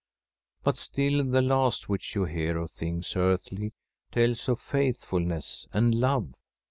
But still the last which you hear of things earthly tells of faithfulness and love.